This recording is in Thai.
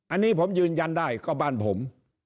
อันนี้ผมยืนยันได้ก็บ้านผม